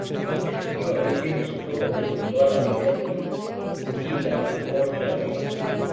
Efectivamente, su flota destrozó a la de Joffrey y la empujó río arriba.